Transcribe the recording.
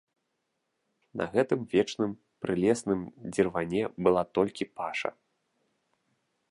На гэтым вечным прылесным дзірване была толькі паша.